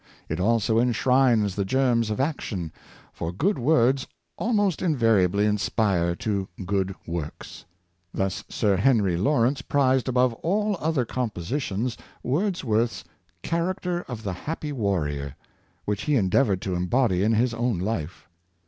It also enshrines the germs of ac tion, for good words almost invariably inspire to good works. Thus Sir Henry Lawrence prized above all other compositions Wordsworth's " Character of the Happy Warrior," which he endeavored to embody in his own life.